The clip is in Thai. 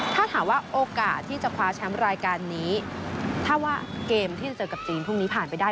ถ้าถามว่าโอกาสที่จะคว้าแชมป์รายการนี้ถ้าว่าเกมที่จะเจอกับจีนพรุ่งนี้ผ่านไปได้